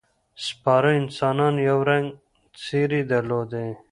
سپاره انسانان یو رنګه ځېرې درلودې.